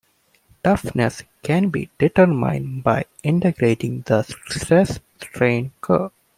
Toughness can be determined by integrating the stress-strain curve.